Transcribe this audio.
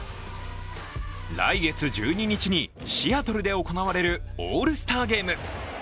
来月１２日にシアトルで行われるオールスターゲーム。